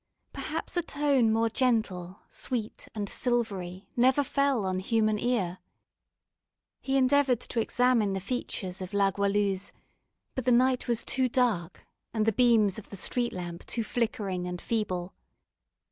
Perhaps a tone more gentle, sweet, and silvery never fell on human ear. He endeavoured to examine the features of La Goualeuse; but the night was too dark, and the beams of the street lamp too flickering and feeble.